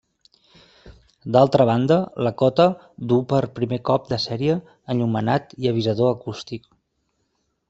D'altra banda, la Cota duu per primer cop de sèrie enllumenat i avisador acústic.